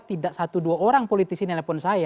tidak satu dua orang politisi nelpon saya